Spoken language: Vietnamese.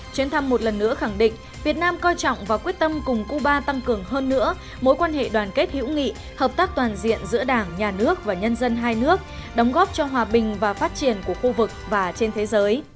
chuyến thăm một lần nữa khẳng định việt nam coi trọng và quyết tâm cùng cuba tăng cường hơn nữa mối quan hệ đoàn kết hữu nghị hợp tác toàn diện giữa đảng nhà nước và nhân dân hai nước đóng góp cho hòa bình và phát triển của khu vực và trên thế giới